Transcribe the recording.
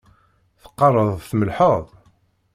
Teqqareḍ tmellḥeḍ